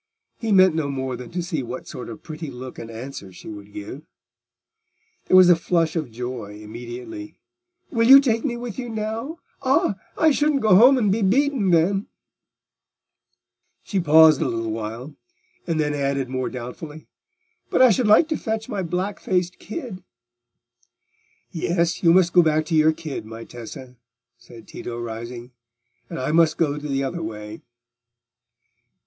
He meant no more than to see what sort of pretty look and answer she would give. There was a flush of joy immediately. "Will you take me with you now? Ah! I shouldn't go home and be beaten then." She paused a little while, and then added more doubtfully, "But I should like to fetch my black faced kid." "Yes, you must go back to your kid, my Tessa," said Tito, rising, "and I must go the other way."